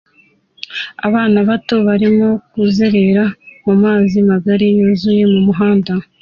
Abana bato barimo kuzerera mu mazi magari yuzuye mu muhanda